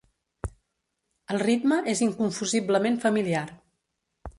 El ritme és inconfusiblement familiar.